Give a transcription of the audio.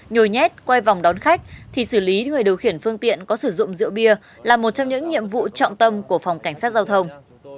nhồi nhét quay vòng đón khách thì xử lý người điều khiển phương tiện có sử dụng rượu bia là một trong những nhiệm vụ trọng tâm của phòng cảnh sát giao thông